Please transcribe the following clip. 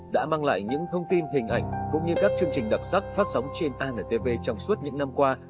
đã mang lại những thông tin hình ảnh cũng như các chương trình đặc sắc phát sóng trên antv trong suốt những năm qua